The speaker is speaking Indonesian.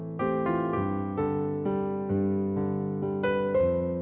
ntar gue kirimin mereka makanan